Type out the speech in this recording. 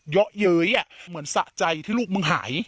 เยอะเย้ยเหมือนสะใจที่ลูกมึงหาย